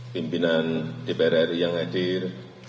pimpinan dpr ri yang hadir